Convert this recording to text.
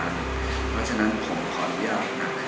เพราะฉะนั้นผมขออนุญาต